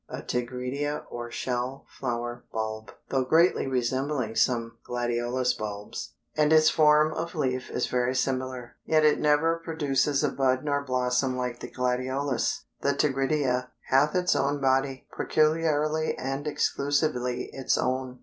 A tigridia or shell flower bulb, though greatly resembling some gladiolus bulbs, and its form of leaf is very similar, yet it never produces a bud nor blossom like the gladiolus. The tigridia hath "its own body," peculiarly and exclusively its own.